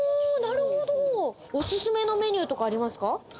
おすすめのメニューとかありますか？